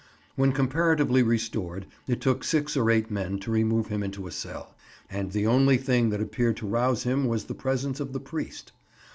When comparatively restored it took six or eight men to remove him into a cell, and the only thing that appeared to rouse him was the presence of the priest.